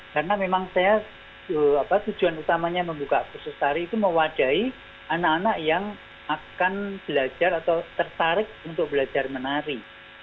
karena memang saya tujuan utamanya membuka kursus tari itu mewadai anak anak yang akan belajar atau tertarik untuk belajar menari